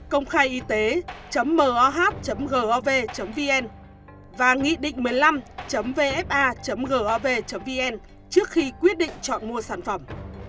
côngkhaiyt moh gov vn và nghị định một mươi năm vfa gov vn trước khi quyết định chọn mua sản phẩm